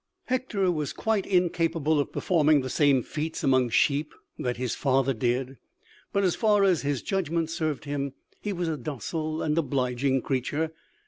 "Hector was quite incapable of performing the same feats among sheep that his father did; but, as far as his judgment served him, he was a docile and obliging creature.